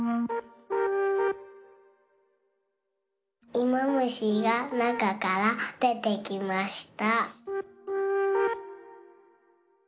いもむしがなかからでてきました。